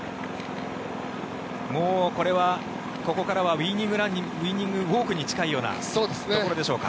もうこれは、ここからはウィニングウォークに近いところでしょうか。